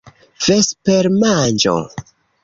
vespermanĝo